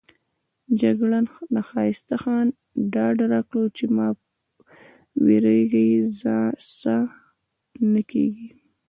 جګړن ښایسته خان ډاډ راکړ چې مه وېرېږئ څه نه کېږي.